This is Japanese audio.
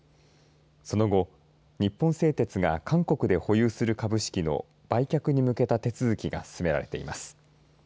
その後、日本製鉄が韓国で保有する株式の売却に向けた手続きが進められています。